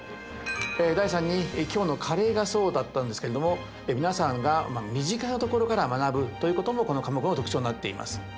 第３に今日のカレーがそうだったんですけれども皆さんが身近なところから学ぶということもこの科目の特徴になっています。